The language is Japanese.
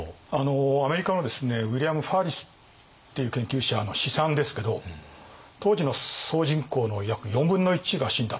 アメリカのウィリアム・ファリスっていう研究者の試算ですけど当時の総人口の約４分の１が死んだ。